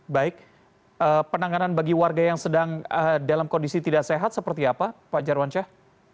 baik penanganan bagi warga yang sedang dalam kondisi tidak sehat seperti apa pak jarwansyah